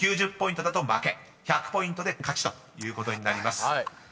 ［９０ポイントだと負け１００ポイントで勝ちということになります］